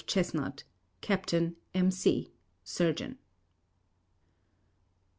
CHESNUT Capt., MC Surgeon.